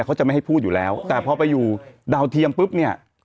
เขาจะไม่ให้พูดอยู่แล้วแต่พอไปอยู่ดาวเทียมปุ๊บเนี่ย